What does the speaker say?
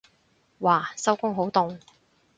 嘩收工好凍